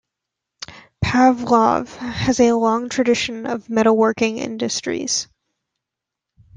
Pavlovo has a long tradition of metalworking industries.